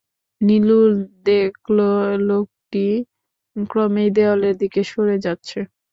নীলুর দেখল, লোকটি ক্রমেই দেয়ালের দিকে সরে যাচ্ছে।